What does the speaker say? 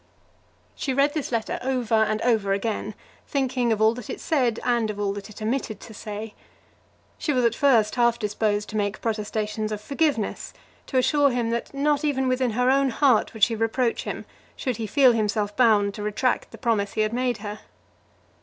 She read this letter over and over again, thinking of all that it said and of all that it omitted to say. She was at first half disposed to make protestations of forgiveness, to assure him that not even within her own heart would she reproach him, should he feel himself bound to retract the promise he had made her.